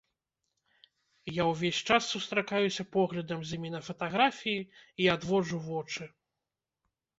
Я ўвесь час сустракаюся поглядам з імі на фатаграфіі і адводжу вочы.